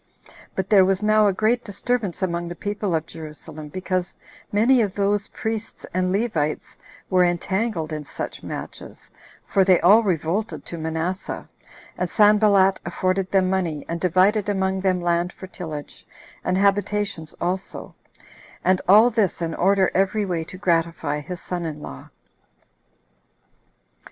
But there was now a great disturbance among the people of Jerusalem, because many of those priests and Levites were entangled in such matches; for they all revolted to Manasseh, and Sanballat afforded them money, and divided among them land for tillage, and habitations also, and all this in order every way to gratify his son in law.